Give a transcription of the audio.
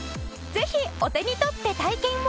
ぜひお手に取って体験を！